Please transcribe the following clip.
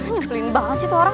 nyeselin banget sih tuh orang